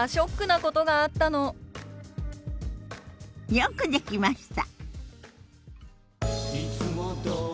よくできました。